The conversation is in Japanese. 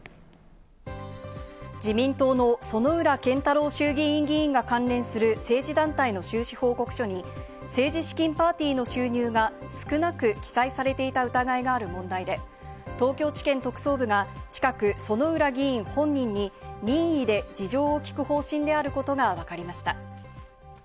自民党の薗浦健太郎衆議院議員が関連する政治団体の収支報告書に政治資金パーティーの収入が少なく記載されていた疑いがある問題で、東京地検特捜部が近く、薗浦議員本人に任意で事情を聴く方針であることがわかりました。